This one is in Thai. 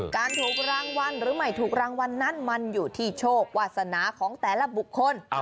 การถูกรางวัลหรือไม่ถูกรางวัลนั้นมันอยู่ที่โชควาสนาของแต่ละบุคคล